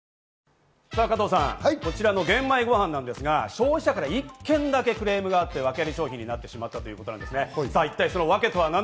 加藤さん、こちらの玄米ごはんですが、消費者から１件だけクレームがあって、ワケアリ商品になってしまったということです。